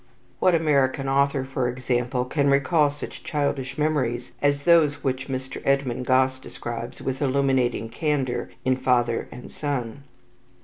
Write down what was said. What American author, for example, can recall such childish memories as those which Mr. Edmund Gosse describes with illuminating candour in "Father and Son"?